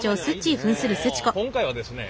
今回はですね